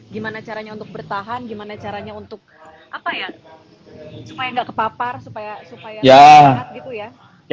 gimana caranya untuk bertahan gimana caranya untuk apa ya supaya nggak kepapar supaya sehat gitu ya